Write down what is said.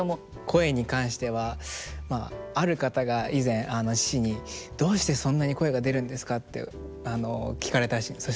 声に関してはある方が以前父に「どうしてそんなに声が出るんですか？」って聞かれたらしいんです。